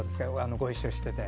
ご一緒してて。